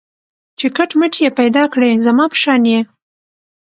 چي کټ مټ یې پیدا کړی زما په شان یې